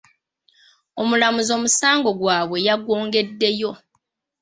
Omulamuzi omusango gwabwe yagwongeddeyo.